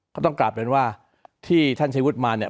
ก็ต้องกลับเป็นว่าที่ท่านชัยวุฒิมาเนี่ย